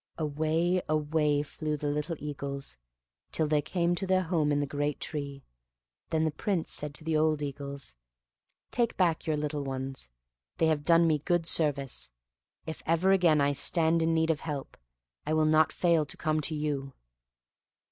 Away, away flew the little eagles, till they came to their home in the great tree; then the Prince said to the old eagles, "Take back your little ones; they have done me good service; if ever again I stand in need of help, I will not fail to come to you."